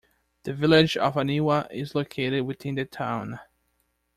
The Village of Aniwa is located within the town.